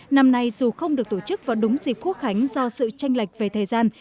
năm nay dù không được tổ chức vào đúng dịp quốc khánh do sự tranh lệch về thời gian